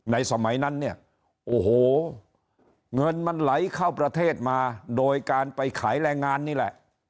สมัยนั้นเนี่ยโอ้โหเงินมันไหลเข้าประเทศมาโดยการไปขายแรงงานนี่แหละ